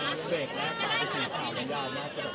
โหเพลงงถึงเสียรับหลอก